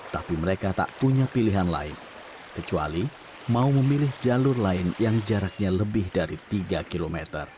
tapi mereka tak punya pilihan lain kecuali mau memilih jalur lain yang jaraknya lebih dari tiga km